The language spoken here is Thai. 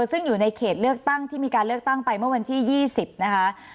ซึ่งอยู่ในเขตเลือกตั้งที่มีการเลือกตั้งไปเมื่อวันที่๒๐นะคะ